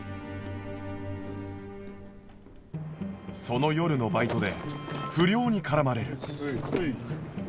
その夜のバイトで不良に絡まれる